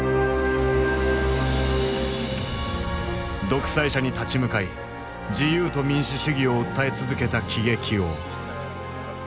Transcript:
独裁者に立ち向かい自由と民主主義を訴え続けた喜劇王。